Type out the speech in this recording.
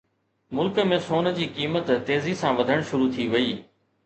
ملڪ ۾ سون جي قيمت تيزي سان وڌڻ شروع ٿي وئي